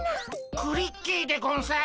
クリッキーでゴンス。